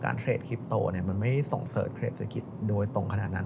เทรดคลิปโตมันไม่ส่งเสิร์ชเทรดเศรษฐกิจโดยตรงขนาดนั้น